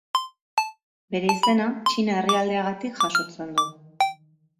Bere izena Txina herrialdeagatik jasotzen du.